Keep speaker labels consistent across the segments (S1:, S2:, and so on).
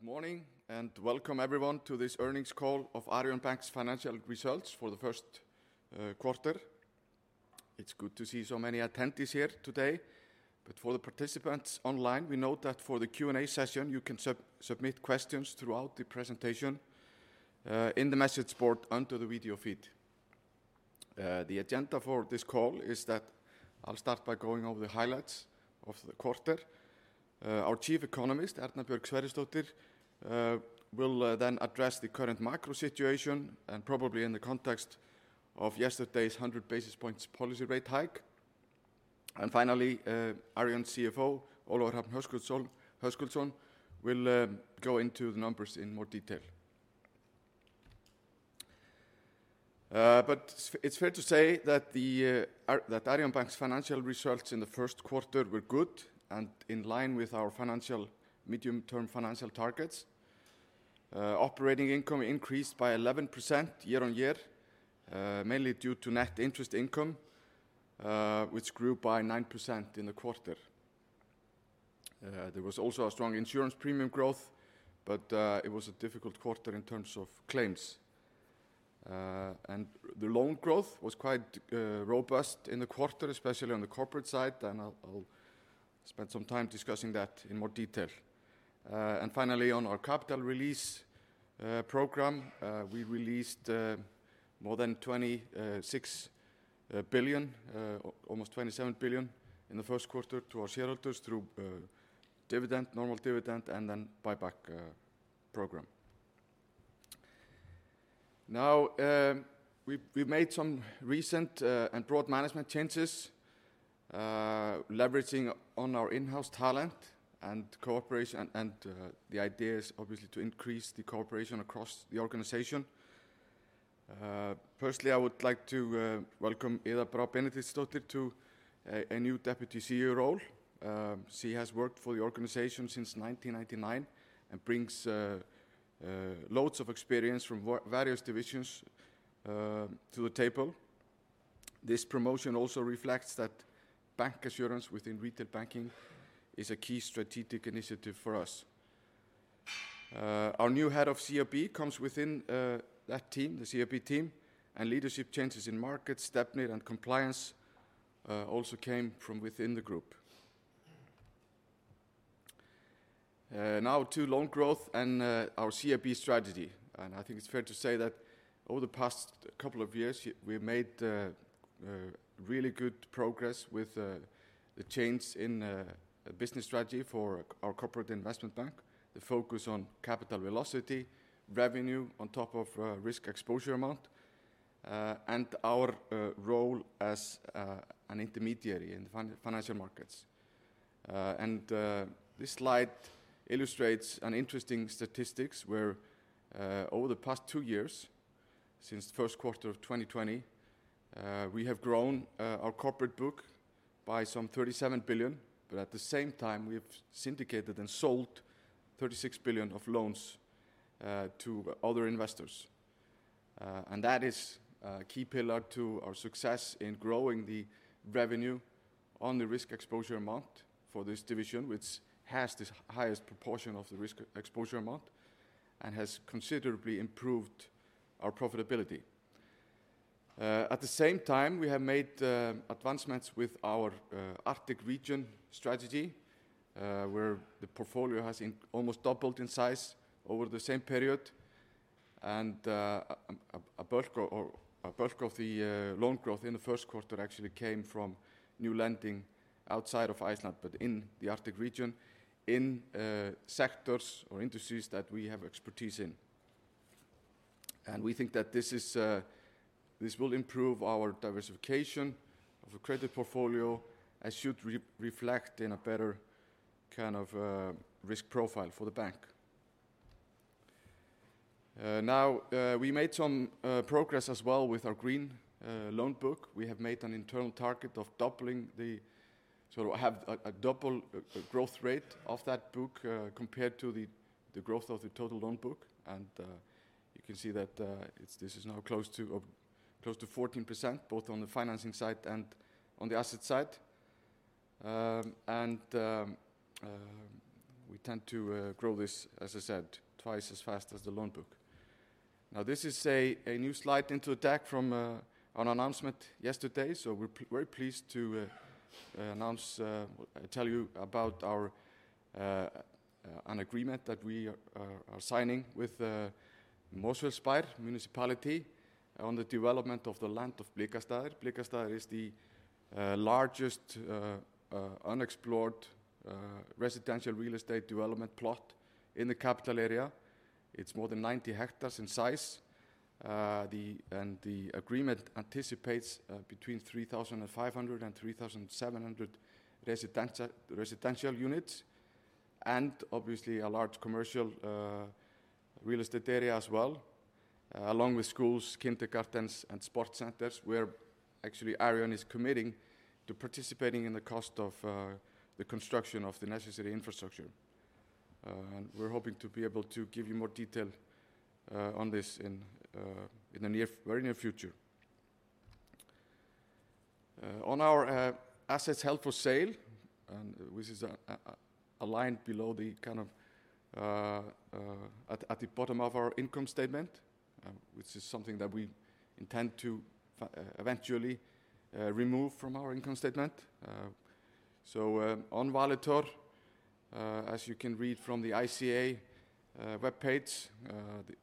S1: Good morning, and welcome everyone to this earnings call of Arion Bank's financial results for the first quarter. It's good to see so many attendees here today. For the participants online, we note that for the Q&A session, you can submit questions throughout the presentation, in the message board under the video feed. The agenda for this call is that I'll start by going over the highlights of the quarter. Our Chief Economist, Erna Björg Sverrisdóttir, will then address the current macro situation and probably in the context of yesterday's 100 basis points policy rate hike. Finally, Arion CFO, Ólafur Hrafn Höskuldsson, will go into the numbers in more detail. It's fair to say that Arion Bank's financial results in the first quarter were good and in line with our medium-term financial targets. Operating income increased by 11% year-on-year, mainly due to net interest income, which grew by 9% in the quarter. There was also a strong insurance premium growth, but it was a difficult quarter in terms of claims. The loan growth was quite robust in the quarter, especially on the corporate side, and I'll spend some time discussing that in more detail. Finally, on our capital release program, we released more than 26 billion, almost 27 billion in the first quarter to our shareholders through normal dividend and then buyback program. Now, we've made some recent and broad management changes, leveraging on our in-house talent and cooperation, and the idea is obviously to increase the cooperation across the organization. Personally, I would like to welcome Iða Brá Benediktsdóttir to a new Deputy CEO role. She has worked for the organization since 1999 and brings loads of experience from various divisions to the table. This promotion also reflects that bancassurance within retail banking is a key strategic initiative for us. Our new head of CIB comes within that team, the CIB team, and leadership changes in markets, Stefnir and compliance also came from within the group. Now to loan growth and our CIB strategy. I think it's fair to say that over the past couple of years, we made really good progress with the change in business strategy for our corporate investment bank. The focus on capital velocity, revenue on top of risk exposure amount, and our role as an intermediary in the financial markets. This slide illustrates an interesting statistic where over the past two years, since Q1 2020, we have grown our corporate book by some 37 billion, but at the same time, we have syndicated and sold 36 billion of loans to other investors. That is a key pillar to our success in growing the revenue on the risk exposure amount for this division, which has the highest proportion of the risk exposure amount and has considerably improved our profitability. At the same time, we have made advancements with our Arctic region strategy, where the portfolio has almost doubled in size over the same period. A bulk of the loan growth in the first quarter actually came from new lending outside of Iceland, but in the Arctic region, in sectors or industries that we have expertise in. We think that this will improve our diversification of the credit portfolio and should reflect in a better kind of risk profile for the bank. Now, we made some progress as well with our green loan book. We have made an internal target to have a double growth rate of that book compared to the growth of the total loan book. You can see that this is now close to 14%, both on the financing side and on the asset side. We tend to grow this, as I said, twice as fast as the loan book. This is a new slide in the deck from an announcement yesterday. We're very pleased to announce, tell you about our an agreement that we are signing with Mosfellsbær Municipality on the development of the land of Blikastaðir. Blikastaðir is the largest unexplored residential real estate development plot in the capital area. It's more than 90 hectares in size. The agreement anticipates between 3,500 and 3,700 residential units, and obviously a large commercial real estate area as well, along with schools, kindergartens and sports centers, where actually Arion is committing to participating in the cost of the construction of the necessary infrastructure. We're hoping to be able to give you more detail on this in the very near future. On our assets held for sale, which is a line below, kind of at the bottom of our income statement, which is something that we intend to eventually remove from our income statement. On Valitor, as you can read from the ICA webpage,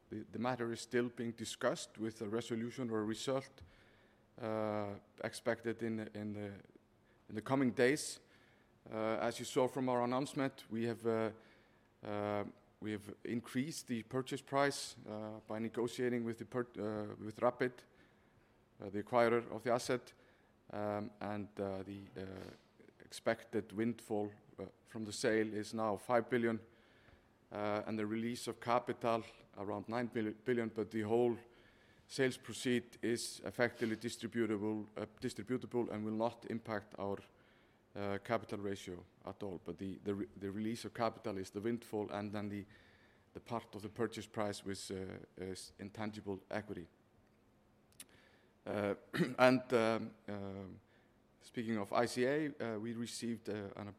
S1: the matter is still being discussed with a resolution or a result expected in the coming days. As you saw from our announcement, we have increased the purchase price by negotiating with Rapyd, the acquirer of the asset. The expected windfall from the sale is now five billion and the release of capital around 9 billion, but the whole sales proceed is effectively distributable and will not impact our capital ratio at all. The release of capital is the windfall and then the part of the purchase price which is intangible equity. Speaking of ICA, we received an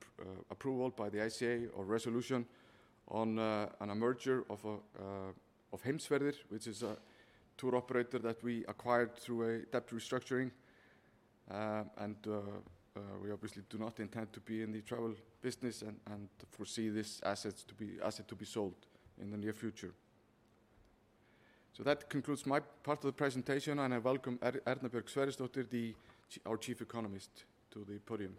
S1: approval by the ICA or resolution on a merger of Heimsferðir, which is a tour operator that we acquired through a debt restructuring. We obviously do not intend to be in the travel business and foresee this asset to be sold in the near future. That concludes my part of the presentation, and I welcome Erna Björg Sverrisdóttir, our Chief Economist, to the podium.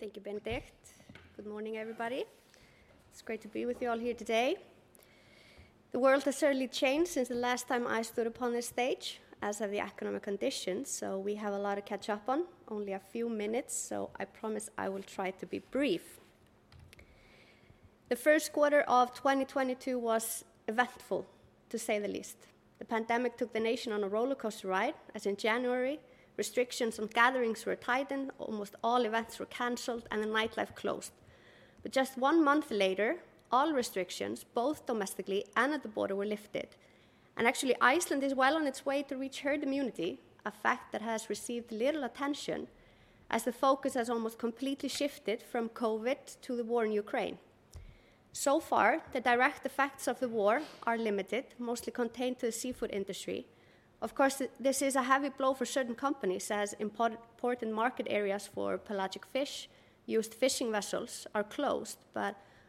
S2: Thank you, Benedikt. Good morning, everybody. It's great to be with you all here today. The world has certainly changed since the last time I stood upon this stage, as have the economic conditions, so we have a lot to catch up on. Only a few minutes, so I promise I will try to be brief. The first quarter of 2022 was eventful, to say the least. The pandemic took the nation on a rollercoaster ride, as in January, restrictions on gatherings were tightened, almost all events were canceled, and the nightlife closed. Just one month later, all restrictions, both domestically and at the border, were lifted. Actually, Iceland is well on its way to reach herd immunity, a fact that has received little attention as the focus has almost completely shifted from COVID to the war in Ukraine. So far, the direct effects of the war are limited, mostly contained to the seafood industry. Of course, this is a heavy blow for certain companies, as important market areas for pelagic fish, used fishing vessels are closed.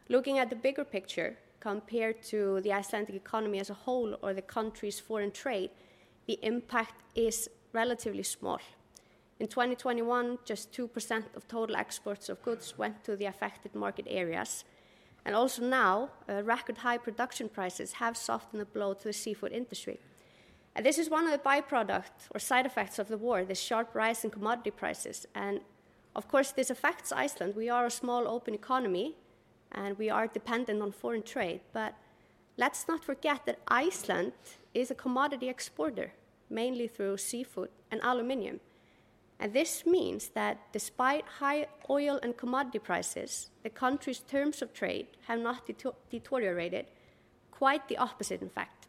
S2: Looking at the bigger picture, compared to the Icelandic economy as a whole or the country's foreign trade, the impact is relatively small. In 2021, just 2% of total exports of goods went to the affected market areas. Also now, record high production prices have softened the blow to the seafood industry. This is one of the byproducts or side effects of the war, the sharp rise in commodity prices. Of course, this affects Iceland. We are a small, open economy, and we are dependent on foreign trade. Let's not forget that Iceland is a commodity exporter, mainly through seafood and aluminum. This means that despite high oil and commodity prices, the country's terms of trade have not deteriorated. Quite the opposite, in fact.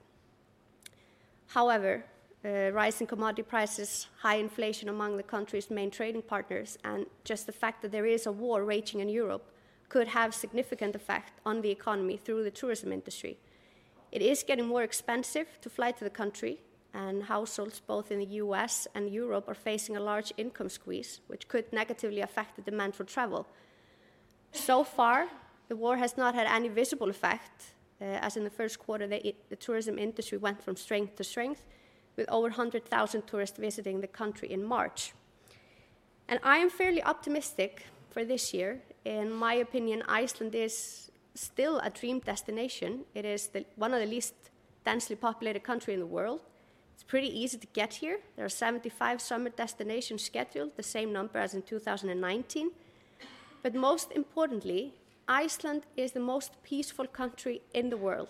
S2: However, rise in commodity prices, high inflation among the country's main trading partners, and just the fact that there is a war raging in Europe could have significant effect on the economy through the tourism industry. It is getting more expensive to fly to the country, and households both in the U.S. and Europe are facing a large income squeeze, which could negatively affect the demand for travel. So far, the war has not had any visible effect, as in the first quarter, the tourism industry went from strength to strength, with over 100,000 tourists visiting the country in March. I am fairly optimistic for this year. In my opinion, Iceland is still a dream destination. It is one of the least densely populated country in the world. It's pretty easy to get here. There are 75 summer destinations scheduled, the same number as in 2019. Most importantly, Iceland is the most peaceful country in the world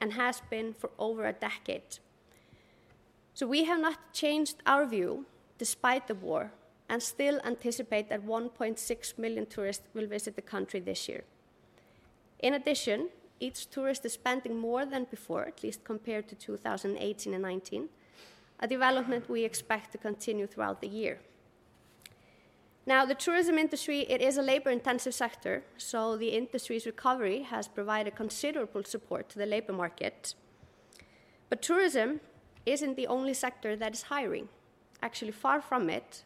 S2: and has been for over a decade. We have not changed our view despite the war and still anticipate that 1.6 million tourists will visit the country this year. In addition, each tourist is spending more than before, at least compared to 2018 and 2019, a development we expect to continue throughout the year. Now, the tourism industry, it is a labor-intensive sector, so the industry's recovery has provided considerable support to the labor market. Tourism isn't the only sector that is hiring. Actually, far from it.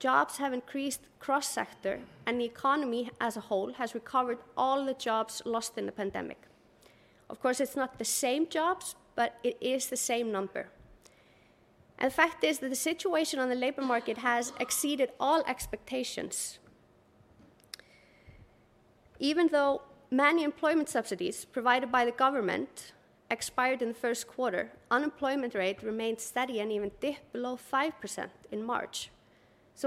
S2: Jobs have increased cross-sector, and the economy as a whole has recovered all the jobs lost in the pandemic. Of course, it's not the same jobs, but it is the same number. The fact is that the situation on the labor market has exceeded all expectations. Even though many employment subsidies provided by the government expired in the first quarter, unemployment rate remained steady and even dipped below 5% in March.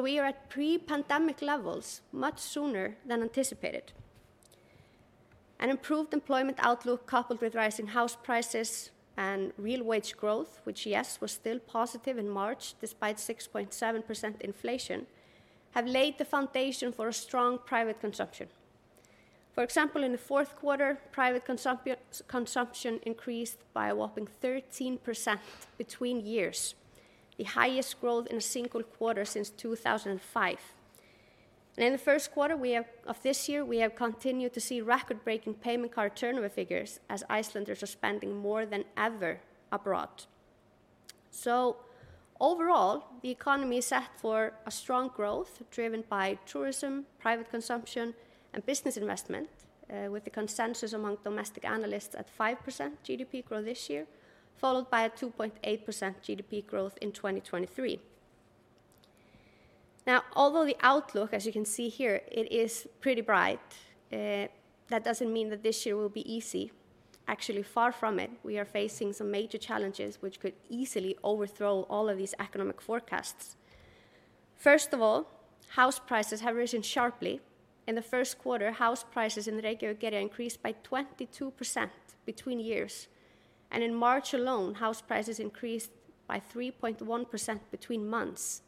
S2: We are at pre-pandemic levels much sooner than anticipated. An improved employment outlook coupled with rising house prices and real wage growth, which, yes, was still positive in March despite 6.7% inflation, have laid the foundation for a strong private consumption. For example, in the fourth quarter, private consumption increased by a whopping 13% between years, the highest growth in a single quarter since 2005. In the first quarter of this year, we have continued to see record-breaking payment card turnover figures as Icelanders are spending more than ever abroad. Overall, the economy is set for a strong growth driven by tourism, private consumption, and business investment, with the consensus among domestic analysts at 5% GDP growth this year, followed by a 2.8% GDP growth in 2023. Although the outlook, as you can see here, is pretty bright, that doesn't mean that this year will be easy. Actually, far from it. We are facing some major challenges which could easily overthrow all of these economic forecasts. First of all, house prices have risen sharply. In the first quarter, house prices in Reykjavík area increased by 22% between years, and in March alone, house prices increased by 3.1% between months.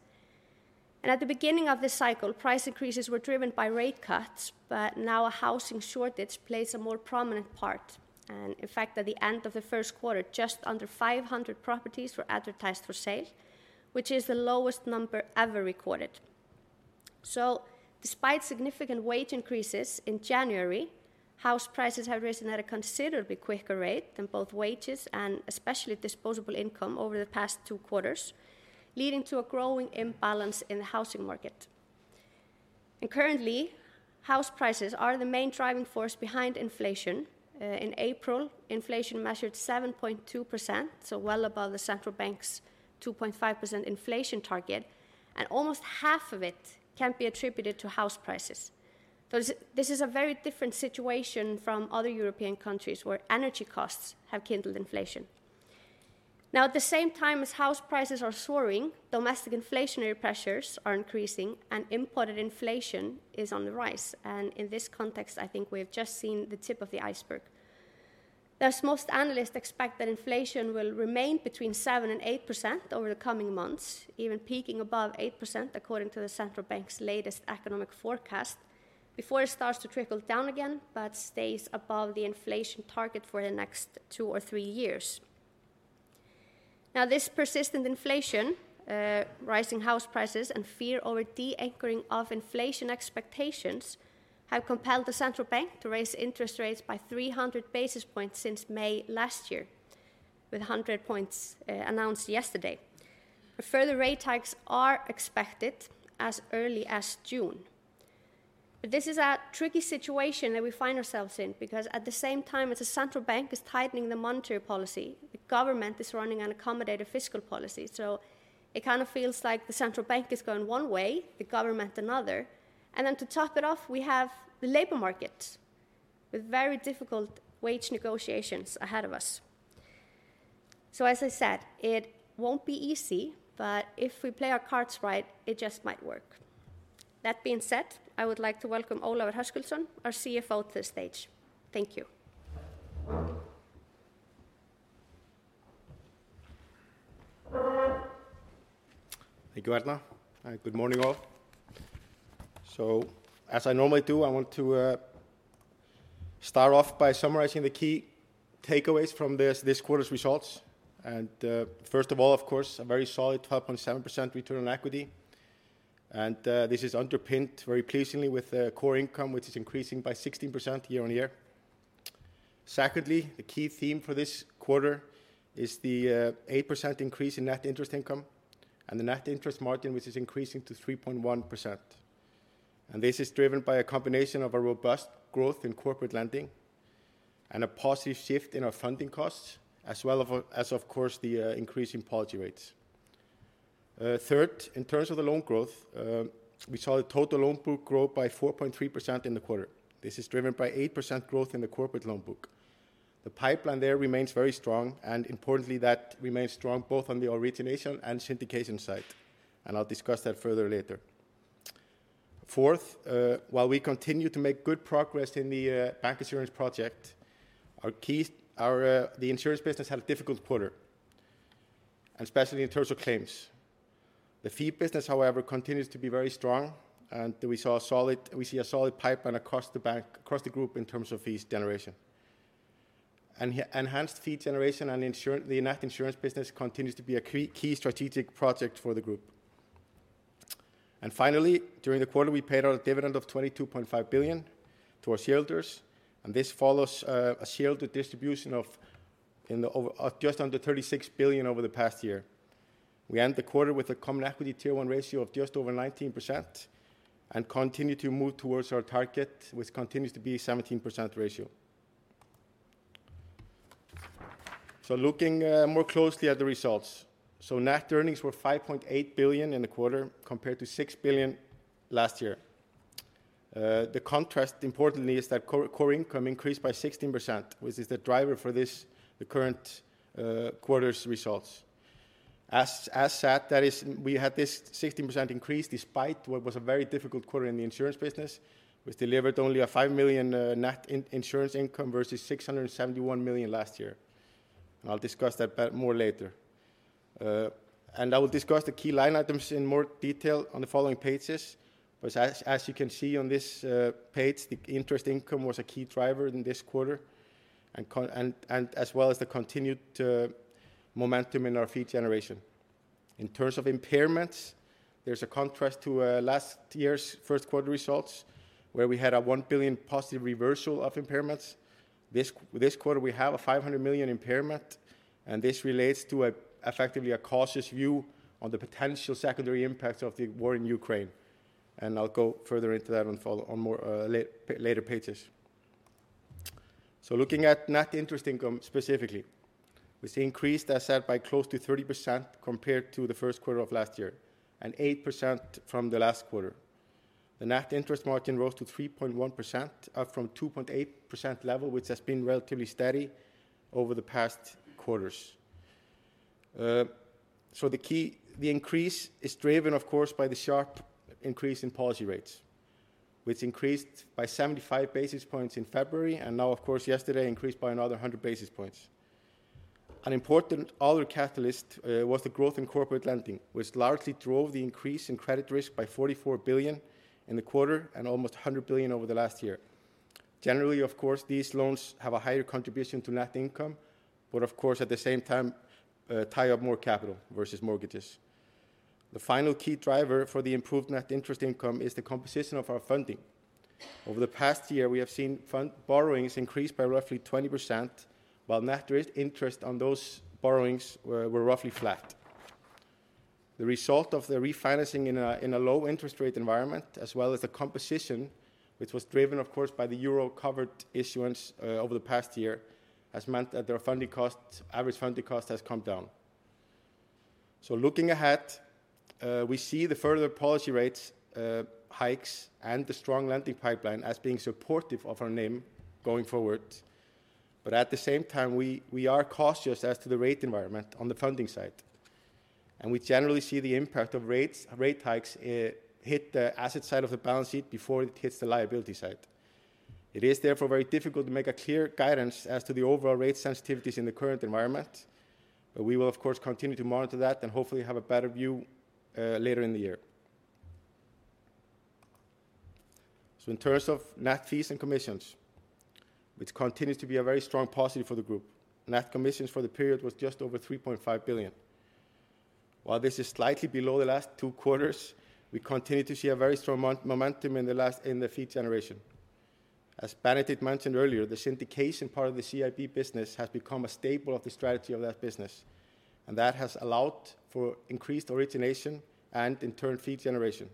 S2: At the beginning of this cycle, price increases were driven by rate cuts, but now a housing shortage plays a more prominent part. In fact, at the end of the first quarter, just under 500 properties were advertised for sale, which is the lowest number ever recorded. Despite significant wage increases in January, house prices have risen at a considerably quicker rate than both wages and especially disposable income over the past two quarters, leading to a growing imbalance in the housing market. Currently, house prices are the main driving force behind inflation. In April, inflation measured 7.2%, so well above the Central Bank's 2.5% inflation target, and almost half of it can be attributed to house prices. This is a very different situation from other European countries where energy costs have kindled inflation. Now at the same time as house prices are soaring, domestic inflationary pressures are increasing and imported inflation is on the rise. In this context, I think we have just seen the tip of the iceberg. Thus, most analysts expect that inflation will remain between 7% and 8% over the coming months, even peaking above 8% according to the Central Bank's latest economic forecast, before it starts to trickle down again, but stays above the inflation target for the next two or three years. This persistent inflation, rising house prices, and fear over de-anchoring of inflation expectations have compelled the Central Bank to raise interest rates by 300 basis points since May last year, with 100 points announced yesterday. Further rate hikes are expected as early as June. This is a tricky situation that we find ourselves in because at the same time as the Central Bank is tightening the monetary policy, the government is running an accommodative fiscal policy. It kind of feels like the Central Bank is going one way, the government another, and then to top it off, we have the labor market with very difficult wage negotiations ahead of us. As I said, it won't be easy, but if we play our cards right, it just might work. That being said, I would like to welcome Ólafur Hrafn Höskuldsson, our CFO, to the stage. Thank you.
S3: Thank you, Erna. Good morning, all. As I normally do, I want to start off by summarizing the key takeaways from this quarter's results. First of all, of course, a very solid 12.7% return on equity. This is underpinned very pleasingly with core income, which is increasing by 16% year-over-year. Secondly, the key theme for this quarter is the 8% increase in net interest income and the net interest margin, which is increasing to 3.1%. This is driven by a combination of a robust growth in corporate lending and a positive shift in our funding costs, as well as, of course, the increase in policy rates. Third, in terms of the loan growth, we saw the total loan book grow by 4.3% in the quarter. This is driven by 8% growth in the corporate loan book. The pipeline there remains very strong, and importantly, that remains strong both on the origination and syndication side. I'll discuss that further later. Fourth, while we continue to make good progress in the bank insurance project, the insurance business had a difficult quarter, especially in terms of claims. The fee business, however, continues to be very strong, and we see a solid pipeline across the bank, across the group in terms of fees generation. Enhanced fee generation and the net insurance business continues to be a key strategic project for the group. Finally, during the quarter, we paid out a dividend of 22.5 billion to our shareholders, and this follows a shareholder distribution of just under 36 billion over the past year. We end the quarter with a Common Equity Tier 1 ratio of just over 19% and continue to move towards our target, which continues to be 17% ratio. Looking more closely at the results. Net earnings were 5.8 billion in the quarter compared to six billion last year. The contrast importantly is that core income increased by 16%, which is the driver for this, the current quarter's results. As said, that is, we had this 16% increase despite what was a very difficult quarter in the insurance business, which delivered only five million net insurance income versus 671 million last year. I'll discuss that bit more later. I will discuss the key line items in more detail on the following pages. As you can see on this page, the interest income was a key driver in this quarter and as well as the continued momentum in our fee generation. In terms of impairments, there's a contrast to last year's first quarter results, where we had a 1 billion positive reversal of impairments. This quarter we have a 500 million impairment, and this relates to effectively a cautious view on the potential secondary impact of the war in Ukraine. I'll go further into that on more later pages. Looking at net interest income specifically, we see increase assets by close to 30% compared to the first quarter of last year and 8% from the last quarter. The net interest margin rose to 3.1%, up from 2.8% level, which has been relatively steady over the past quarters. The increase is driven, of course, by the sharp increase in policy rates, which increased by 75 basis points in February, and now of course yesterday increased by another 100 basis points. An important other catalyst was the growth in corporate lending, which largely drove the increase in credit risk by 44 billion in the quarter and almost 100 billion over the last year. Generally, of course, these loans have a higher contribution to net income, but of course at the same time, tie up more capital versus mortgages. The final key driver for the improved net interest income is the composition of our funding. Over the past year, we have seen fund borrowings increase by roughly 20%, while net interest on those borrowings were roughly flat. The result of the refinancing in a low interest rate environment, as well as the composition, which was driven of course by the Euro covered issuance over the past year, has meant that their funding costs, average funding cost has come down. Looking ahead, we see the further policy rate hikes and the strong lending pipeline as being supportive of our NIM going forward. At the same time, we are cautious as to the rate environment on the funding side. We generally see the impact of rates, rate hikes, hit the asset side of the balance sheet before it hits the liability side. It is therefore very difficult to make a clear guidance as to the overall rate sensitivities in the current environment. We will of course continue to monitor that and hopefully have a better view later in the year. In terms of net fees and commissions, which continues to be a very strong positive for the group, net commissions for the period was just over 3.5 billion. While this is slightly below the last two quarters, we continue to see a very strong momentum in the fee generation. As Benedikt mentioned earlier, the syndication part of the CIB business has become a staple of the strategy of that business, and that has allowed for increased origination and in turn fee generation.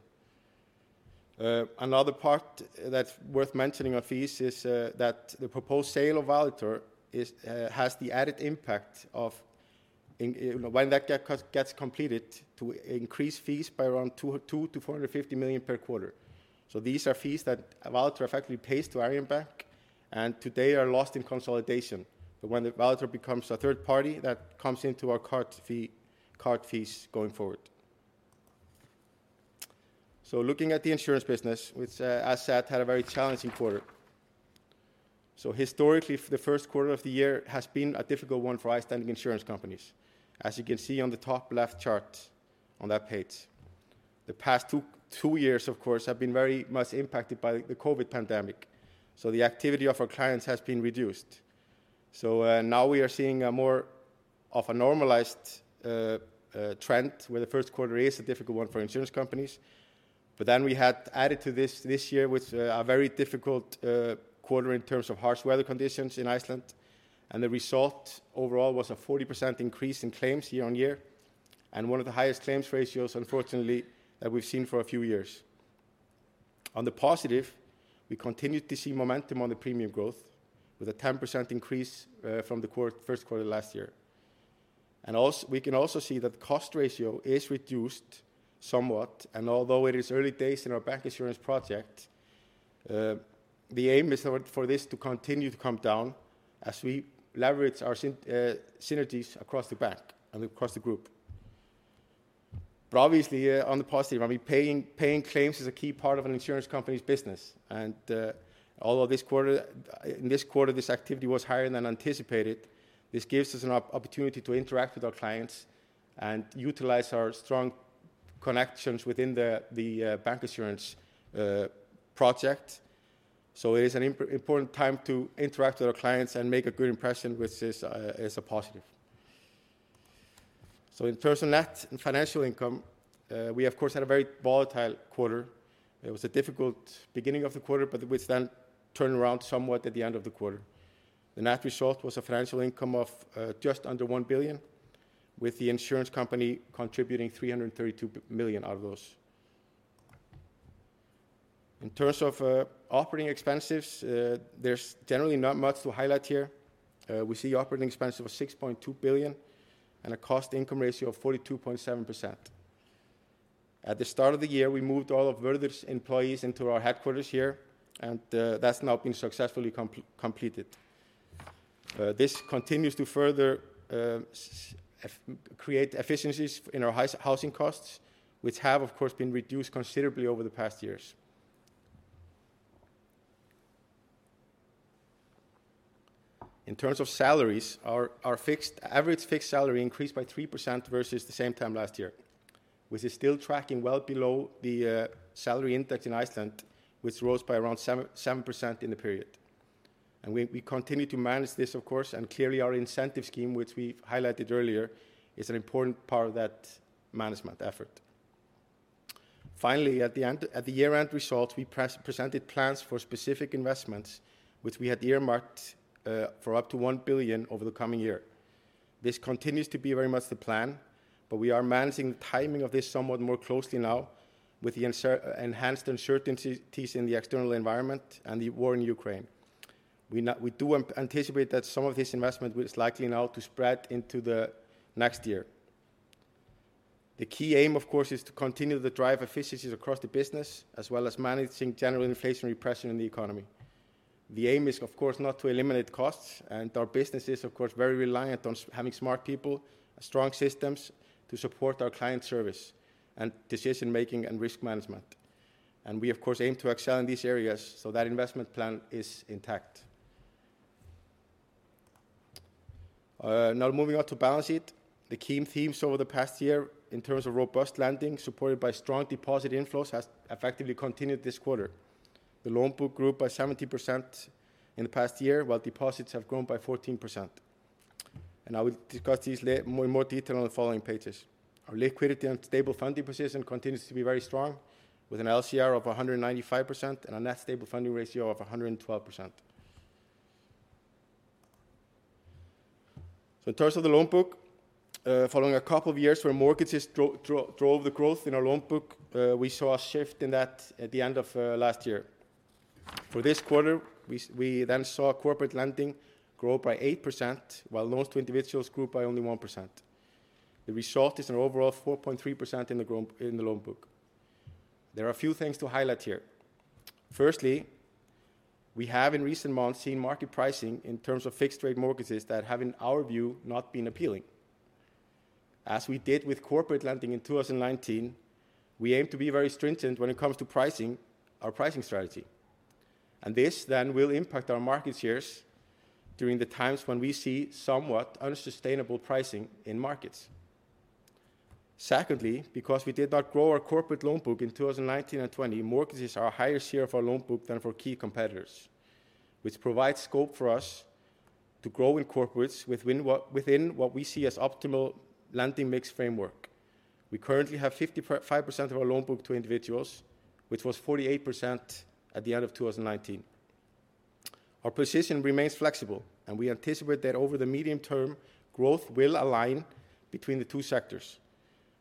S3: Another part that's worth mentioning on fees is that the proposed sale of Valitor has the added impact of, you know, when that gets completed to increase fees by around 200 million-450 million per quarter. These are fees that Valitor effectively pays to Arion Bank, and today are lost in consolidation. When the Valitor becomes a third party, that comes into our card fees going forward. Looking at the insurance business, which, as said, had a very challenging quarter. Historically for the first quarter of the year has been a difficult one for Icelandic insurance companies. As you can see on the top left chart on that page. The past two years of course have been very much impacted by the COVID pandemic. The activity of our clients has been reduced. Now we are seeing more of a normalized trend where the first quarter is a difficult one for insurance companies. We had added to this this year with a very difficult quarter in terms of harsh weather conditions in Iceland. The result overall was a 40% increase in claims year-on-year, and one of the highest claims ratios, unfortunately, that we've seen for a few years. On the positive, we continued to see momentum on the premium growth with a 10% increase from the first quarter last year. We can also see that cost ratio is reduced somewhat, and although it is early days in our bancassurance project, the aim is for this to continue to come down as we leverage our synergies across the bank and across the group. Obviously, on the positive, I mean, paying claims is a key part of an insurance company's business. Although in this quarter, this activity was higher than anticipated, this gives us an opportunity to interact with our clients and utilize our strong connections within the bancassurance project. It is an important time to interact with our clients and make a good impression, which is a positive. In terms of net and financial income, we of course had a very volatile quarter. It was a difficult beginning of the quarter, but which then turned around somewhat at the end of the quarter. The net result was a financial income of just under one billion, with the insurance company contributing 332 million out of those. In terms of operating expenses, there's generally not much to highlight here. We see operating expense of 6.2 billion and a cost-to-income ratio of 42.7%. At the start of the year, we moved all of Vörður's employees into our headquarters here, and that's now been successfully completed. This continues to further create efficiencies in our housing costs, which have of course been reduced considerably over the past years. In terms of salaries, our average fixed salary increased by 3% versus the same time last year, which is still tracking well below the salary index in Iceland, which rose by around 7% in the period. We continue to manage this, of course, and clearly our incentive scheme, which we've highlighted earlier, is an important part of that management effort. Finally, at the year-end results, we presented plans for specific investments, which we had earmarked for up to $1 billion over the coming year. This continues to be very much the plan, but we are managing the timing of this somewhat more closely now with the enhanced uncertainties in the external environment and the war in Ukraine. We do anticipate that some of this investment is likely now to spread into the next year. The key aim, of course, is to continue to drive efficiencies across the business, as well as managing general inflationary pressure in the economy. The aim is, of course, not to eliminate costs, and our business is, of course, very reliant on having smart people and strong systems to support our client service and decision-making and risk management. And we, of course, aim to excel in these areas, so that investment plan is intact. Now moving on to balance sheet. The key themes over the past year in terms of robust lending supported by strong deposit inflows has effectively continued this quarter. The loan book grew by 70% in the past year, while deposits have grown by 14%. I will discuss these in more detail on the following pages. Our liquidity and stable funding position continues to be very strong, with an LCR of 195% and a Net Stable Funding Ratio of 112%. In terms of the loan book, following a couple of years where mortgages drove the growth in our loan book, we saw a shift in that at the end of last year. For this quarter, we then saw corporate lending grow by 8%, while loans to individuals grew by only 1%. The result is an overall 4.3% in the loan book. There are a few things to highlight here. Firstly, we have in recent months seen market pricing in terms of fixed rate mortgages that have, in our view, not been appealing. As we did with corporate lending in 2019, we aim to be very stringent when it comes to pricing our pricing strategy. This then will impact our market shares during the times when we see somewhat unsustainable pricing in markets. Secondly, because we did not grow our corporate loan book in 2019 and 2020, mortgages are a higher share of our loan book than for key competitors, which provides scope for us to grow in corporates within what we see as optimal lending mix framework. We currently have 55% of our loan book to individuals, which was 48% at the end of 2019. Our position remains flexible, and we anticipate that over the medium term, growth will align between the two sectors,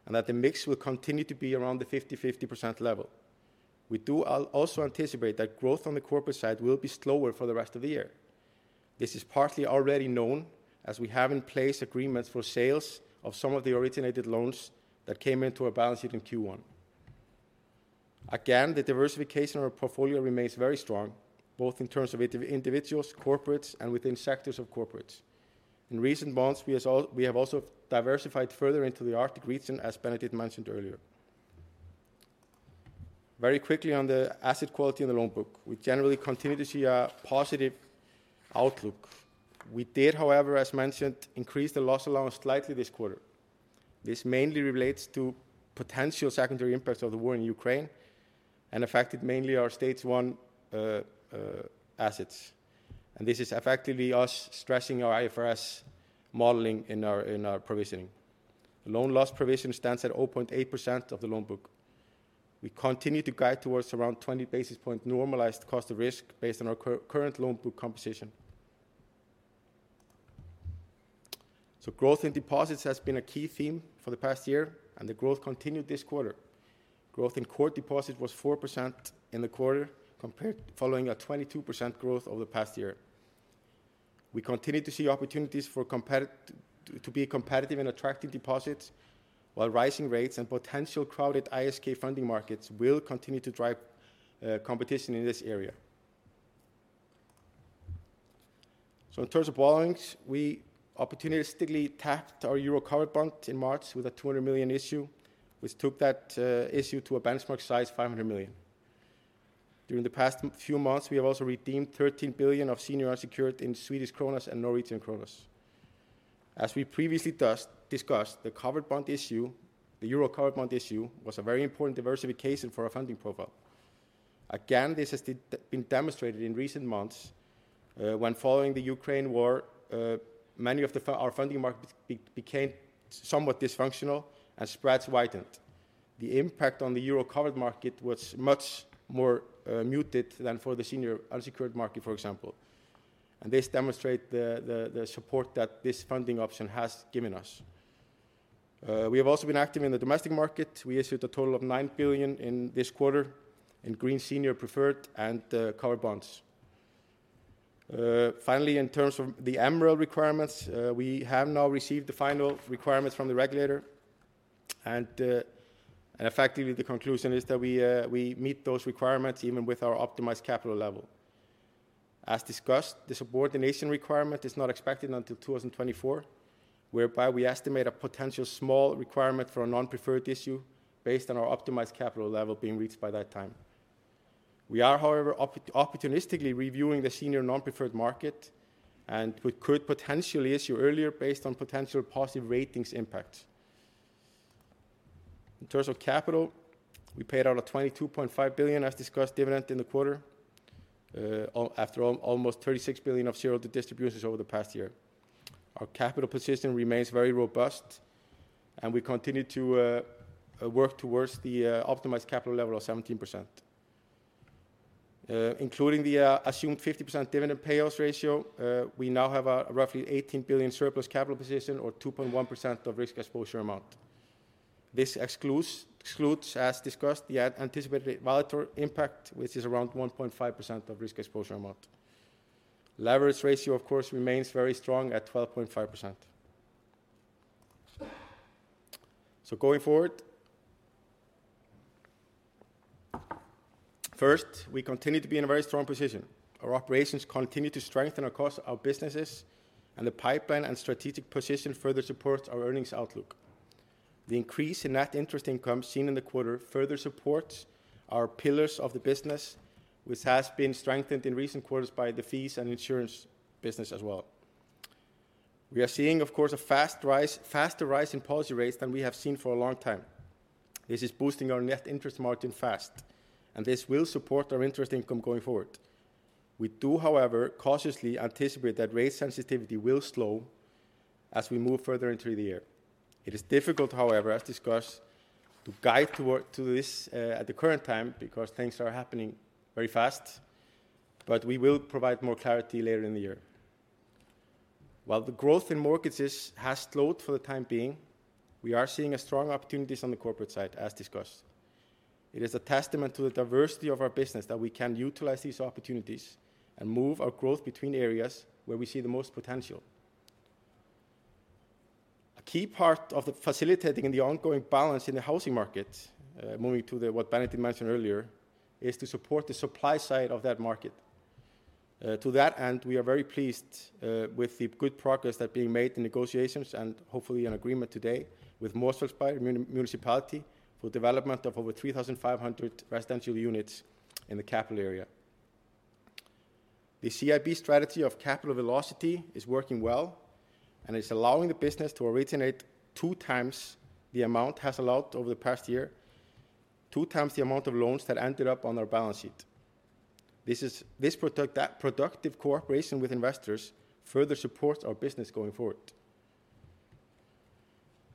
S3: and that the mix will continue to be around the 50-50% level. We do also anticipate that growth on the corporate side will be slower for the rest of the year. This is partly already known, as we have in place agreements for sales of some of the originated loans that came into our balance sheet in Q1. Again, the diversification of our portfolio remains very strong, both in terms of individuals, corporates, and within sectors of corporates. In recent months, we have also diversified further into the Arctic region, as Benedikt mentioned earlier. Very quickly on the asset quality in the loan book, we generally continue to see a positive outlook. We did, however, as mentioned, increase the loss allowance slightly this quarter. This mainly relates to potential secondary impacts of the war in Ukraine, and affected mainly our Stage one assets. This is effectively us stressing our IFRS modeling in our provisioning. The loan loss provision stands at 0.8% of the loan book. We continue to guide towards around 20 basis points normalized cost of risk based on our current loan book composition. Growth in deposits has been a key theme for the past year, and the growth continued this quarter. Growth in core deposits was 4% in the quarter, following a 22% growth over the past year. We continue to see opportunities to be competitive in attracting deposits, while rising rates and potential crowded ISK funding markets will continue to drive competition in this area. In terms of borrowings, we opportunistically tapped our Euro covered bond in March with a 200 million issue, which took that issue to a benchmark size 500 million. During the past few months, we have also redeemed 13 billion of senior unsecured in Swedish kronas and Norwegian kronas. As we previously discussed, the Euro covered bond issue was a very important diversification for our funding profile. Again, this has been demonstrated in recent months when following the Ukraine war, many of our funding markets became somewhat dysfunctional and spreads widened. The impact on the Euro covered market was much more muted than for the senior unsecured market, for example. This demonstrates the support that this funding option has given us. We have also been active in the domestic market. We issued a total of nine billion in this quarter in green senior preferred and covered bonds. Finally, in terms of the MREL requirements, we have now received the final requirements from the regulator. Effectively, the conclusion is that we meet those requirements even with our optimized capital level. As discussed, the subordination requirement is not expected until 2024, whereby we estimate a potential small requirement for a non-preferred issue based on our optimized capital level being reached by that time. We are, however, opportunistically reviewing the senior non-preferred market, and we could potentially issue earlier based on potential positive ratings impact. In terms of capital, we paid out a 22.5 billion, as discussed, dividend in the quarter, after almost 36 billion of shareholder distributions over the past year. Our capital position remains very robust, and we continue to work towards the optimized capital level of 17%. Including the assumed 50% dividend payout ratio, we now have a roughly 18 billion surplus capital position or 2.1% of risk exposure amount. This excludes, as discussed, the anticipated voluntary impact, which is around 1.5% of risk exposure amount. Leverage ratio, of course, remains very strong at 12.5%. Going forward, first, we continue to be in a very strong position. Our operations continue to strengthen across our businesses, and the pipeline and strategic position further supports our earnings outlook. The increase in net interest income seen in the quarter further supports our pillars of the business, which has been strengthened in recent quarters by the fees and insurance business as well. We are seeing, of course, a faster rise in policy rates than we have seen for a long time. This is boosting our net interest margin fast, and this will support our interest income going forward. We do, however, cautiously anticipate that rate sensitivity will slow as we move further into the year. It is difficult, however, as discussed, to guide toward this at the current time because things are happening very fast, but we will provide more clarity later in the year. While the growth in mortgages has slowed for the time being, we are seeing strong opportunities on the corporate side, as discussed. It is a testament to the diversity of our business that we can utilize these opportunities and move our growth between areas where we see the most potential. A key part of the facilitating in the ongoing balance in the housing market, moving to what Benedikt mentioned earlier, is to support the supply side of that market. To that end, we are very pleased with the good progress that's being made in negotiations and hopefully an agreement today with Mosfellsbær Municipality for development of over 3,500 residential units in the capital area. The CIB strategy of capital velocity is working well, and it's allowing the business to originate 2x the amount has allowed over the past year, 2x the amount of loans that ended up on our balance sheet. This protects the productive cooperation with investors further supports our business going forward.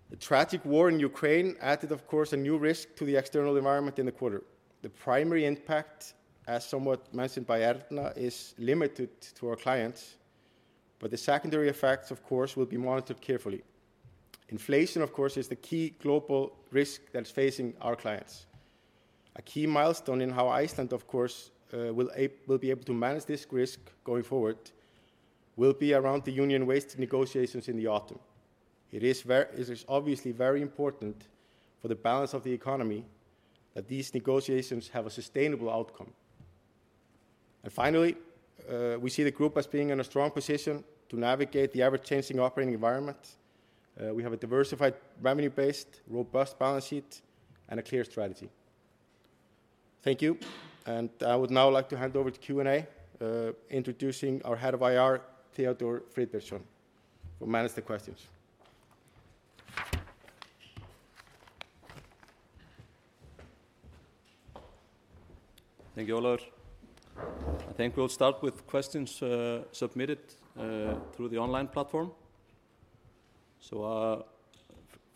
S3: The tragic war in Ukraine added, of course, a new risk to the external environment in the quarter. The primary impact, as somewhat mentioned by Erna, is limited to our clients, but the secondary effects, of course, will be monitored carefully. Inflation, of course, is the key global risk that is facing our clients. A key milestone in how Iceland, of course, will be able to manage this risk going forward will be around the union wage negotiations in the autumn. It is obviously very important for the balance of the economy that these negotiations have a sustainable outcome. We see the group as being in a strong position to navigate the ever-changing operating environment. We have a diversified revenue base, robust balance sheet, and a clear strategy. Thank you. I would now like to hand over to Q&A, introducing our head of IR, Theodór Friðbertsson, who manage the questions.
S4: Thank you, Ólafur. I think we'll start with questions submitted through the online platform.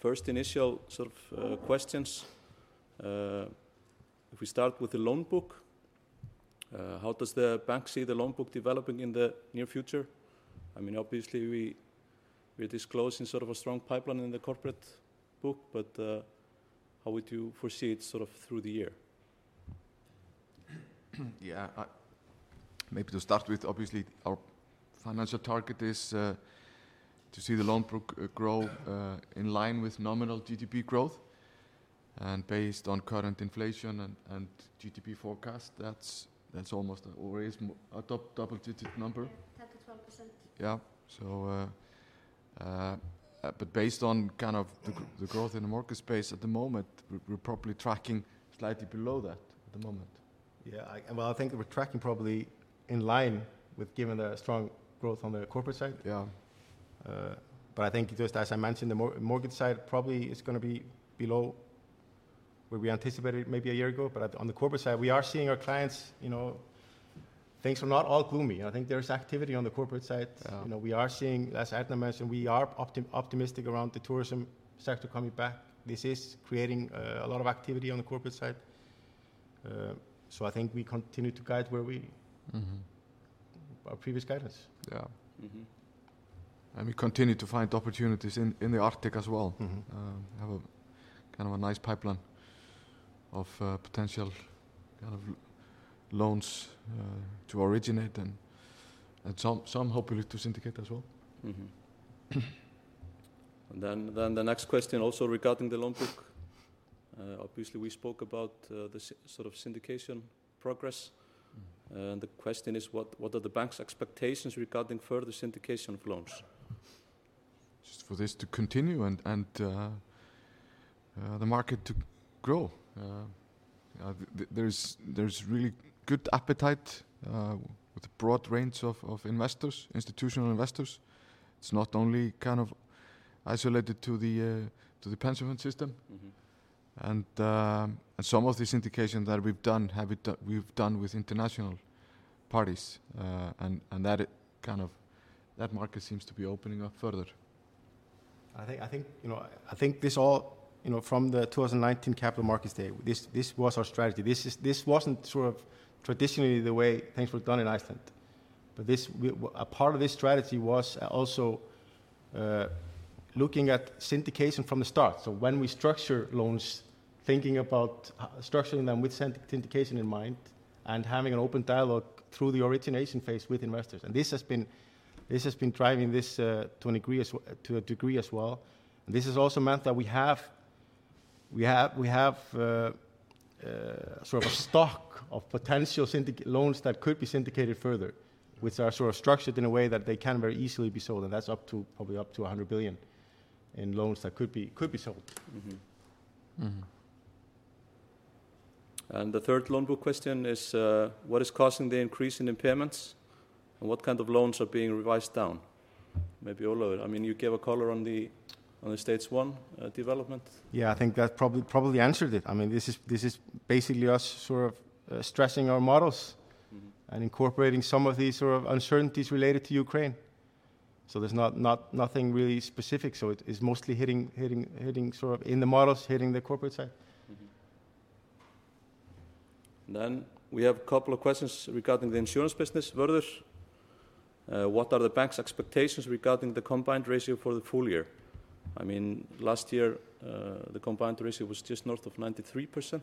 S4: First initial sort of questions, if we start with the loan book, how does the bank see the loan book developing in the near future? I mean, obviously we're disclosing sort of a strong pipeline in the corporate book, but how would you foresee it sort of through the year?
S3: Yeah. Maybe to start with, obviously our financial target is to see the loan book grow in line with nominal GDP growth. Based on current inflation and GDP forecast, that's almost always mid- to double-digit number.
S4: Yeah. 10%-12%.
S3: Yeah. Based on kind of the growth in the market space at the moment, we're probably tracking slightly below that at the moment.
S4: Yeah. Well, I think that we're tracking probably in line with given the strong growth on the corporate side.
S3: Yeah.
S4: I think just as I mentioned, the mortgage side probably is gonna be below where we anticipated maybe a year ago. On the corporate side, we are seeing our clients, you know, things are not all gloomy. I think there's activity on the corporate side.
S3: Yeah.
S4: You know, we are seeing, as Erna mentioned, we are optimistic around the tourism sector coming back. This is creating a lot of activity on the corporate side. I think we continue to guide where we
S3: Mm-hmm
S4: Our previous guidance.
S3: Yeah.
S4: Mm-hmm.
S3: We continue to find opportunities in the Arctic as well.
S4: Mm-hmm.
S3: Have a kind of a nice pipeline of potential kind of loans to originate and some hopefully to syndicate as well.
S4: The next question also regarding the loan book. Obviously we spoke about the sort of syndication progress.
S3: Mm-hmm.
S4: The question is what are the bank's expectations regarding further syndication of loans for this to continue and the market to grow. There's really good appetite with a broad range of investors, institutional investors. It's not only kind of isolated to the pension fund system.
S3: Mm-hmm.
S4: Some of the syndication that we've done with international parties. That kind of market seems to be opening up further.
S3: I think, you know, I think this all, you know, from the 2019 capital markets day, this was our strategy. This wasn't sort of traditionally the way things were done in Iceland. This was a part of this strategy also looking at syndication from the start. When we structure loans, thinking about structuring them with syndication in mind, and having an open dialogue through the origination phase with investors. This has been driving this to a degree as well. This has also meant that we have sort of a stock of potential syndicated loans that could be syndicated further, which are sort of structured in a way that they can very easily be sold, and that's up to probably up to 100 billion in loans that could be sold.
S4: Mm-hmm.
S3: Mm-hmm.
S4: The third loan book question is, what is causing the increase in impairments, and what kind of loans are being revised down? Maybe Ólafur. I mean, you gave a color on the Stage 1 development.
S3: Yeah, I think that probably answered it. I mean, this is basically us sort of stressing our models.
S4: Mm-hmm
S3: Incorporating some of these sort of uncertainties related to Ukraine. There's nothing really specific. It is mostly hitting sort of in the models, hitting the corporate side.
S4: We have a couple of questions regarding the insurance business. Vörður, what are the bank's expectations regarding the combined ratio for the full- year? I mean, last year, the combined ratio was just north of 93%.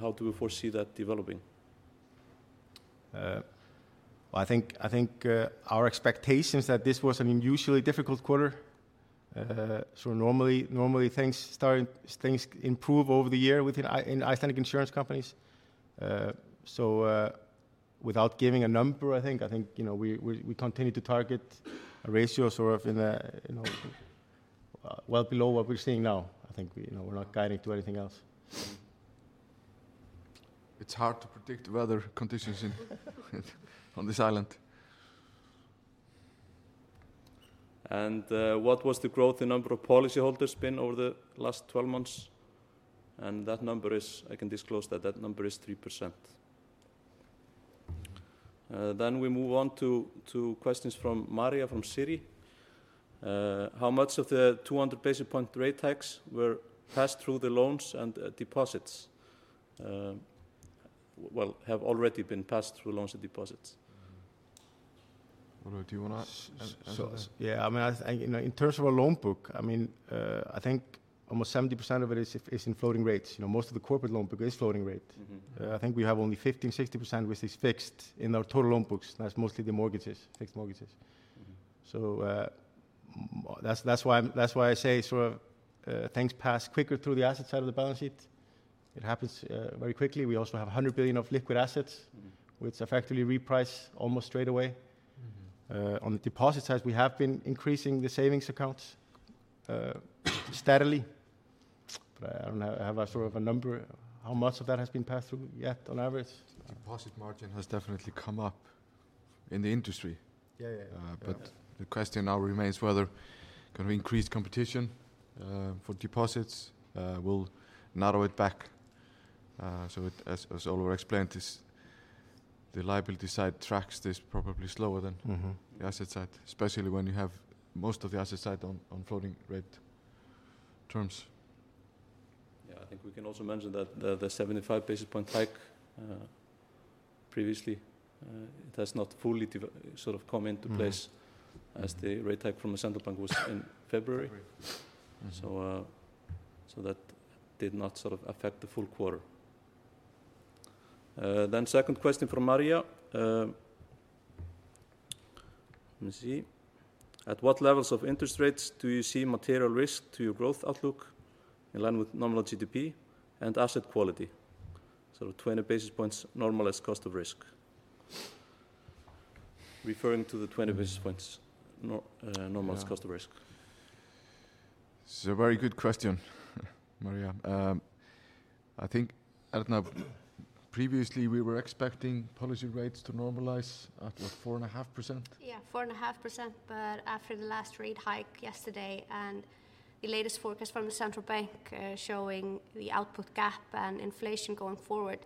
S4: How do we foresee that developing?
S3: I think our expectation is that this was an unusually difficult quarter. Normally things improve over the year in Icelandic insurance companies. Without giving a number, I think you know, we continue to target a ratio sort of in a, you know, well below what we're seeing now. I think you know, we're not guiding to anything else.
S4: It's hard to predict weather conditions on this island. What was the growth in number of policyholders been over the last 12 months? That number is, I can disclose that number is 3%. We move on to questions from Maria from Citi. How much of the 200 basis point rate hikes were passed through the loans and deposits? Well, have already been passed through loans and deposits.
S3: Ólafur, do you wanna answer?
S4: Yeah, I mean, you know, in terms of our loan book, I mean, I think almost 70% of it is in floating rates. You know, most of the corporate loan book is floating rate.
S3: Mm-hmm.
S4: I think we have only 15.60% which is fixed in our total loan books. That's mostly the mortgages, fixed mortgages.
S3: Mm-hmm.
S4: That's why I say sort of things pass quicker through the asset side of the balance sheet. It happens very quickly. We also have 100 billion of liquid assets.
S3: Mm-hmm
S4: which effectively reprice almost straight away.
S3: Mm-hmm.
S4: On the deposit side, we have been increasing the savings accounts steadily. I don't have a sort of a number how much of that has been passed through yet on average.
S3: Deposit margin has definitely come up in the industry.
S4: Yeah, yeah.
S3: The question now remains whether kind of increased competition for deposits will narrow it back. It, as Ólafur explained, is the liability side tracks this probably slower than-
S4: Mm-hmm
S3: the asset side, especially when you have most of the asset side on floating rate terms.
S4: Yeah, I think we can also mention that the 75 basis points hike previously it has not fully come into place.
S3: Mm-hmm
S4: As the rate hike from the Central Bank was in February.
S3: February. Mm-hmm.
S4: That did not sort of affect the full -quarter. Second question from Maria. Let me see. At what levels of interest rates do you see material risk to your growth outlook in line with nominal GDP and asset quality? 20 basis points normalized cost of risk. Referring to the 20 basis points normalized cost of risk.
S3: Yeah. This is a very good question, Maria. I think, I don't know, previously we were expecting policy rates to normalize at, what, 4.5%?
S2: Yeah, 4.5%. After the last rate hike yesterday and the latest forecast from the Central Bank of Iceland, showing the output gap and inflation going forward,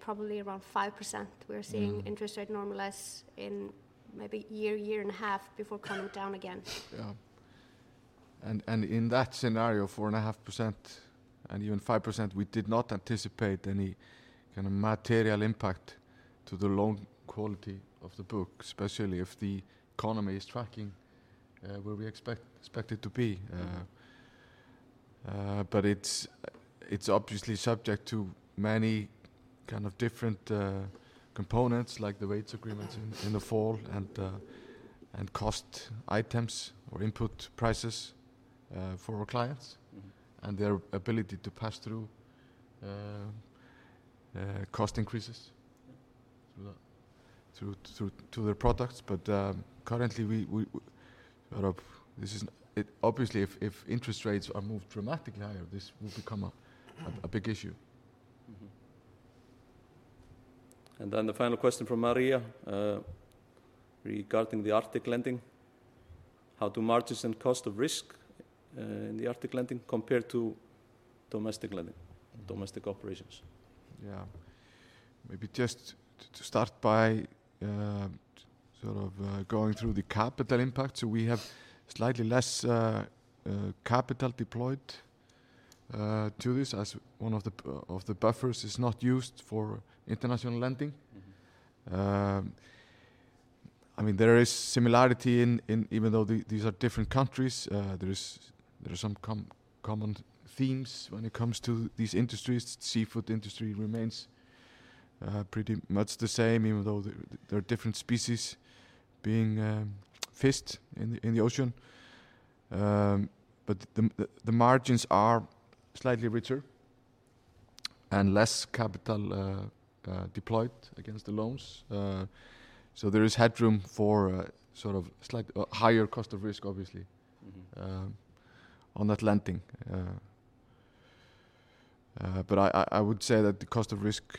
S2: probably around 5%.
S3: Mm-hmm.
S2: We're seeing interest rates normalize in maybe a year and a half before coming down again.
S3: In that scenario, 4.5% and even 5%, we did not anticipate any kind of material impact to the loan quality of the book, especially if the economy is tracking where we expect it to be.
S4: Mm-hmm
S3: It's obviously subject to many kinds of different components like the rates agreements in the fall and cost items or input prices for our clients.
S4: Mm-hmm.
S3: Their ability to pass through cost increases.
S1: Through to their products. Obviously if interest rates are moved dramatically higher, this will become a big issue.
S4: Mm-hmm. The final question from Maria regarding the Arctic lending. How do margins and cost of risk in the Arctic lending compare to domestic lending, domestic operations?
S1: Yeah. Maybe just to start by sort of going through the capital impact. We have slightly less capital deployed to this, as one of the buffers is not used for international lending.
S4: Mm-hmm.
S1: I mean, there is similarity even though these are different countries, there are some common themes when it comes to these industries. Seafood industry remains pretty much the same even though there are different species being fished in the ocean. The margins are slightly richer and less capital deployed against the loans. There is headroom for sort of slight higher cost of risk obviously.
S4: Mm-hmm
S1: On that lending. I would say that the cost of risk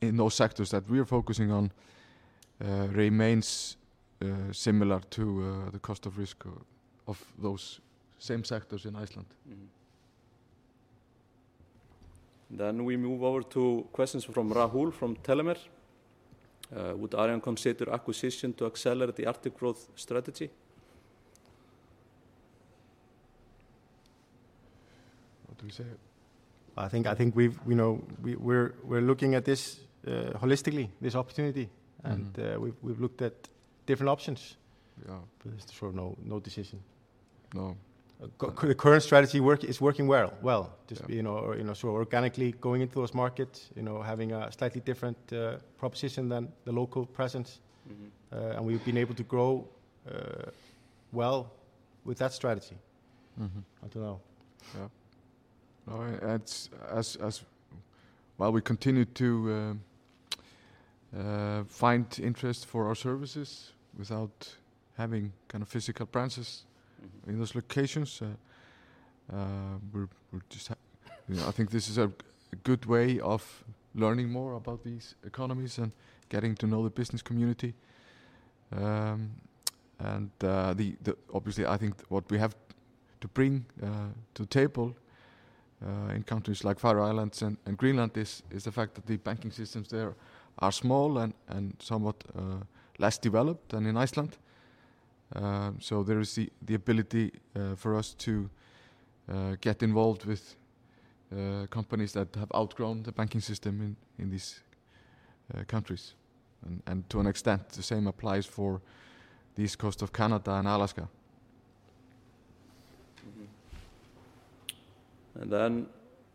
S1: in those sectors that we are focusing on remains similar to the cost of risk of those same sectors in Iceland.
S4: We move over to questions from Rahul from Tellimer. Would Arion consider acquisition to accelerate the Arctic growth strategy?
S1: What do we say?
S3: I think we've, you know, we're looking at this holistically, this opportunity.
S1: Mm-hmm.
S3: We've looked at different options.
S1: Yeah.
S3: There's sort of no decision.
S1: No.
S3: The current strategy is working well.
S1: Yeah.
S3: Just, you know, sort of organically going into those markets, you know, having a slightly different proposition than the local presence.
S4: Mm-hmm.
S3: We've been able to grow well with that strategy.
S1: Mm-hmm.
S3: I don't know.
S1: While we continue to find interest for our services without having kind of physical branches.
S4: Mm-hmm
S1: In those locations, you know, I think this is a good way of learning more about these economies and getting to know the business community. Obviously, I think what we have to bring to the table in countries like Faroe Islands and Greenland is the fact that the banking systems there are small and somewhat less developed than in Iceland. There is the ability for us to get involved with companies that have outgrown the banking system in these countries. To an extent the same applies for the east coast of Canada and Alaska.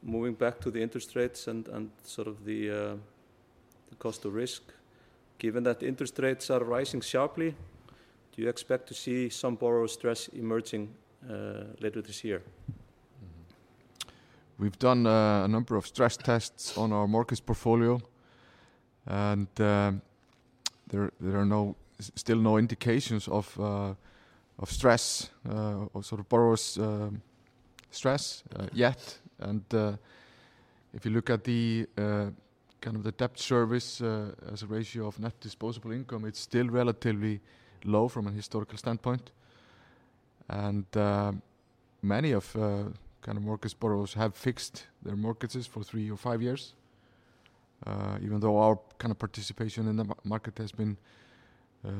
S4: Moving back to the interest rates and sort of the cost of risk. Given that interest rates are rising sharply, do you expect to see some borrower stress emerging later this year?
S1: We've done a number of stress tests on our mortgage portfolio, and there are still no indications of stress or sort of borrowers' stress yet. If you look at the kind of the debt service as a ratio of net disposable income, it's still relatively low from a historical standpoint. Many of kind of mortgage borrowers have fixed their mortgages for three or five years, even though our kind of participation in the market has been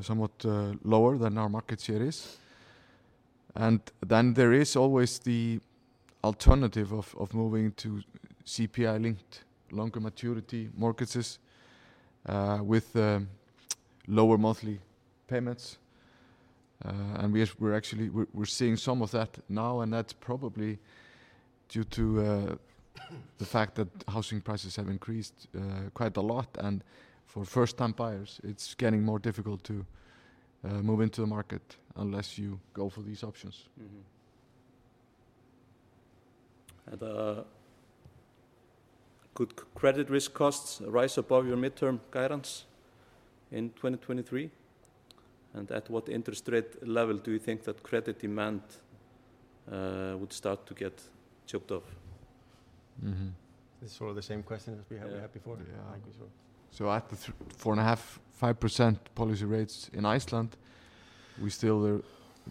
S1: somewhat lower than our market share is. Then there is always the alternative of moving to CPI-linked longer maturity mortgages with lower monthly payments. We're actually seeing some of that now, and that's probably due to the fact that housing prices have increased quite a lot. For first-time buyers, it's getting more difficult to move into the market unless you go for these options.
S4: Could credit risk costs rise above your midterm guidance in 2023? At what interest rate level do you think that credit demand would start to get choked off?
S1: Mm-hmm.
S3: This is sort of the same question as we had.
S4: Yeah
S3: had before.
S1: Yeah.
S3: I think so.
S1: At 4.5-5% policy rates in Iceland, we still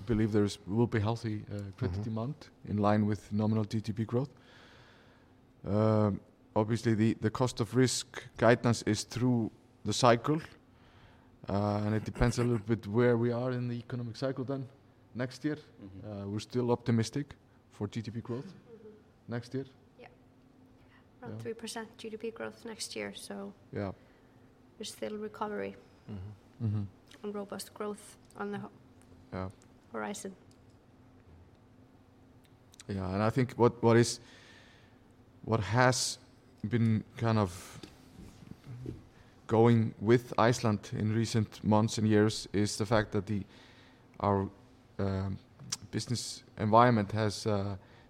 S1: believe there will be healthy credit demand.
S4: Mm-hmm
S1: in line with nominal GDP growth. Obviously the cost of risk guidance is through the cycle, and it depends a little bit where we are in the economic cycle then next year.
S4: Mm-hmm.
S1: We're still optimistic for GDP growth next year.
S2: Yeah.
S1: Yeah.
S2: Around 3% GDP growth next year.
S1: Yeah
S2: There's still recovery.
S1: Mm-hmm. Mm-hmm.
S2: robust growth on the ho-
S1: Yeah
S2: ...horizon.
S1: Yeah. I think what has been kind of going on with Iceland in recent months and years is the fact that our business environment has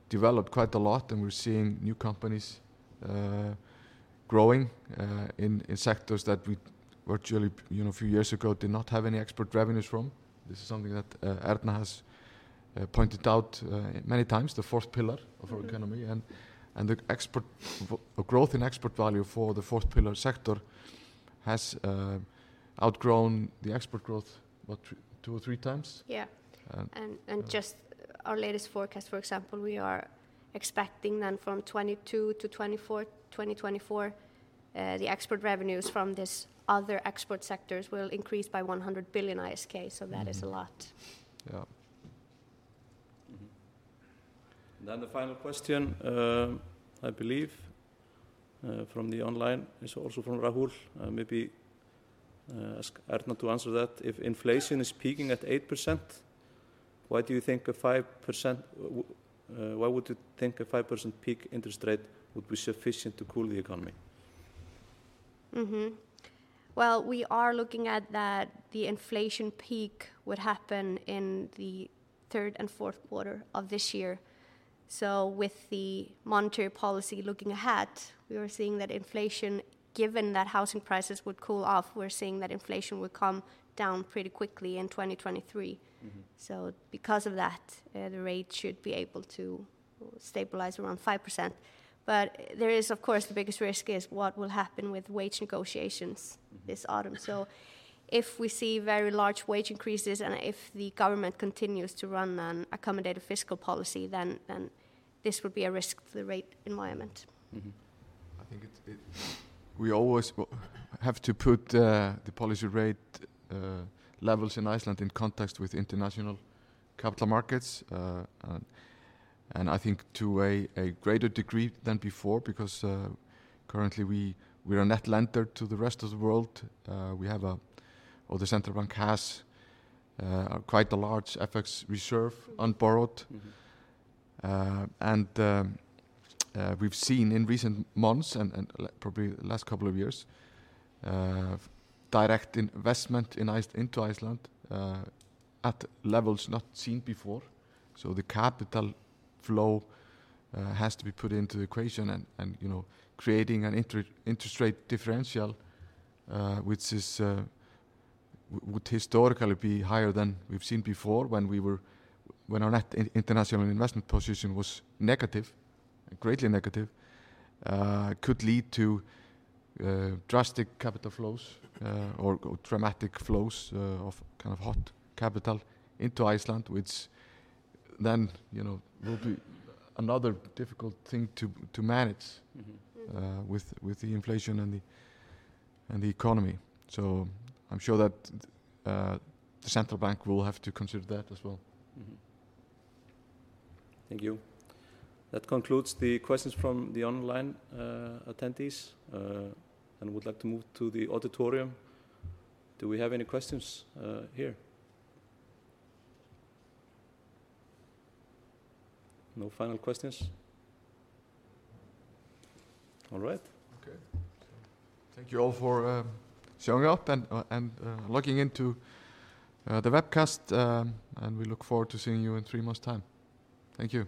S1: developed quite a lot, and we're seeing new companies growing in sectors that we virtually, you know, a few years ago did not have any export revenues from. This is something that Erna has pointed out many times, the fourth pillar of our economy. The growth in export value for the fourth pillar sector has outgrown the export growth, what? Two or three times.
S2: Yeah.
S1: Uh-
S2: Just our latest forecast, for example, we are expecting then from 2022 to 2024, the export revenues from this other export sectors will increase by 100 billion ISK, so that is a lot.
S1: Mm-hmm. Yeah.
S4: The final question, I believe, from the online is also from Rahul. Maybe ask Erna to answer that. If inflation is peaking at 8%, why do you think a 5% peak interest rate would be sufficient to cool the economy?
S2: Well, we are looking at that the inflation peak would happen in the third and fourth quarter of this year. With the monetary policy looking ahead, we are seeing that inflation, given that housing prices would cool off, we're seeing that inflation would come down pretty quickly in 2023.
S4: Mm-hmm.
S2: Because of that, the rate should be able to stabilize around 5%. There is, of course, the biggest risk is what will happen with wage negotiations this autumn. If we see very large wage increases, and if the government continues to run an accommodative fiscal policy, then this would be a risk for the rate environment.
S4: Mm-hmm.
S1: I think we always have to put the policy rate levels in Iceland in context with international capital markets. I think to a greater degree than before because currently we're a net lender to the rest of the world. The Central Bank has quite a large FX reserve unborrowed.
S4: Mm-hmm.
S1: We've seen in recent months and probably last couple of years, direct investment into Iceland at levels not seen before. The capital flow has to be put into the equation and, you know, creating an interest rate differential, which would historically be higher than we've seen before when our net international investment position was negative, greatly negative, could lead to drastic capital flows or dramatic flows of kind of hot capital into Iceland, which then, you know, will be another difficult thing to manage.
S4: Mm-hmm.
S2: Mm.
S1: With the inflation and the economy. I'm sure that the Central Bank will have to consider that as well.
S4: Mm-hmm. Thank you. That concludes the questions from the online attendees. Would like to move to the auditorium. Do we have any questions here? No final questions? All right.
S1: Okay. Thank you all for showing up and logging into the webcast. We look forward to seeing you in three months' time. Thank you.